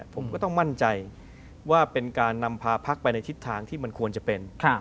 ผมก็ต้องมั่นใจว่าเป็นการนำพาพักไปในทิศทางที่มันควรจะเป็น